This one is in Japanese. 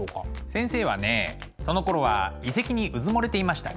先生はねそのころは遺跡にうずもれていましたね。